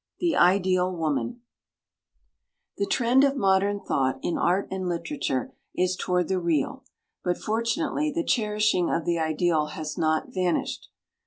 The Ideal Woman The trend of modern thought in art and literature is toward the real, but fortunately the cherishing of the ideal has not vanished.